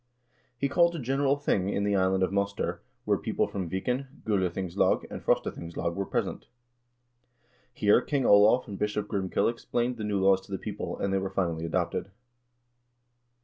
l He called a general thing in the island of Moster, where people from Viken, Gulathings lag, and Frostathingslag were present. Here King Olav and Bishop Grimkel explained the new laws to the people, and they were finally adopted.